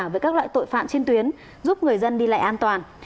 với các loại tội phạm trên tuyến giúp người dân đi lại an toàn